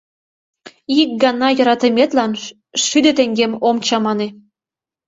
Ик гана йӧратыметлан шӱдӧ теҥгем ом чамане!